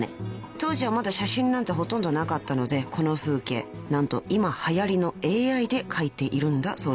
［当時はまだ写真なんてほとんどなかったのでこの風景何と今はやりのＡＩで描いているんだそうでございます］